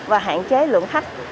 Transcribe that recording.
và hạn chế lượng khách